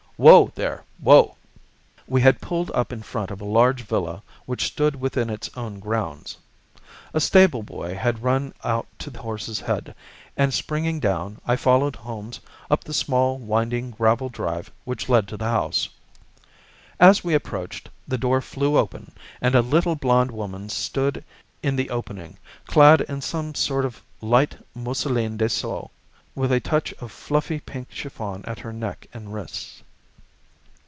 Whoa, there, whoa!" We had pulled up in front of a large villa which stood within its own grounds. A stable boy had run out to the horse's head, and springing down, I followed Holmes up the small, winding gravel drive which led to the house. As we approached, the door flew open, and a little blonde woman stood in the opening, clad in some sort of light mousseline de soie, with a touch of fluffy pink chiffon at her neck and wrists.